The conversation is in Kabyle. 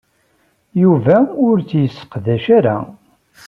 Yuba ur t-yesseqdac ara.